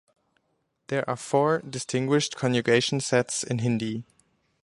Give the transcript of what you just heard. There are four distinguished conjugation sets in Hindi.